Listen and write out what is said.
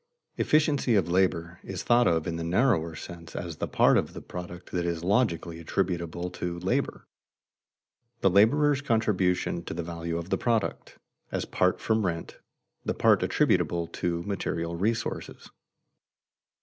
"Efficiency of labor" is thought of in the narrower sense as the part of the product that is logically attributable to labor, the laborer's contribution to the value of the product, as apart from rent, the part attributable to material resources.